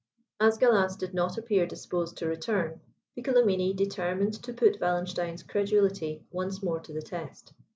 As Gallas did not appear disposed to return, Piccolomini determined to put Wallenstein's credulity once more to the test.